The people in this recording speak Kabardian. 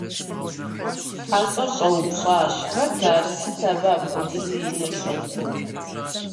ХьэщӀэр щӀэупщӀащ: - Хэт ар? Сыт абы апхуэдизу и нэр щӀэцӀур?